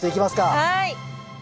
はい！